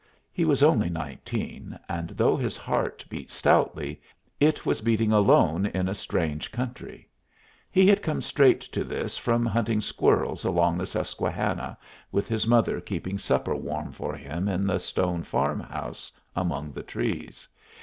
He was only nineteen, and though his heart beat stoutly, it was beating alone in a strange country. He had come straight to this from hunting squirrels along the Susquehanna, with his mother keeping supper warm for him in the stone farm house among the trees.